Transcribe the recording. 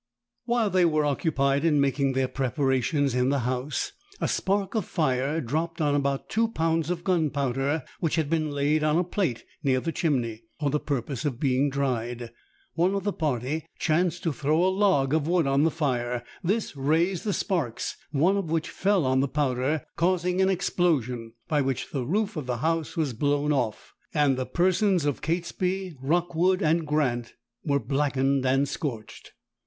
While they were occupied in making their preparations in the house, a spark of fire dropped on about two pounds of gunpowder, which had been laid on a plate near the chimney, for the purpose of being dried. One of the party chanced to throw a log of wood on the fire; this raised the sparks, one of which fell on the powder, causing an explosion, by which the roof of the house was blown off, and the persons of Catesby, Rookwood, and Grant blackened and scorched.